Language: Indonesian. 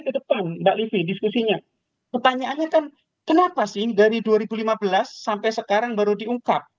ke depan mbak livi diskusinya pertanyaannya kan kenapa sih dari dua ribu lima belas sampai sekarang baru diungkap